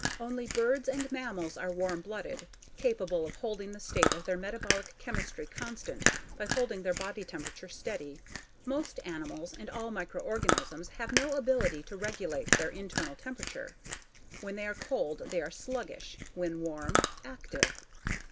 Only birds and mammals are warm blooded capable of holding the rate of their metabolic chemistry constant by holding their body temperature steady. Most animals and all microorganisms have no ability to regulate their internal temperature; when they are cold they are sluggish, when warm, active.